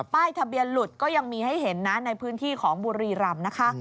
ป้ายทะเบียนหลุดก็ยังมีให้เห็นนะในพื้นที่ของบุรีรำนะคะ